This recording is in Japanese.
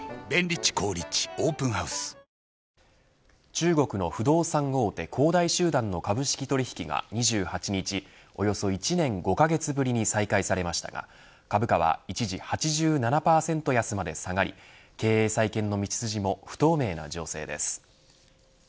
中国の不動産大手恒大集団の株式取引が２８日、およそ１年５カ月ぶりに再開されましたが株価は一時８７％安まで下がり経営再建の道筋も不透明な情勢です。